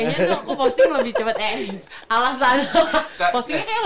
kayaknya tuh aku posting lebih cepat